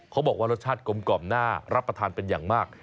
เขาบอกว่ารสชาติกลมน่ารับประทานเป็นอย่างมาก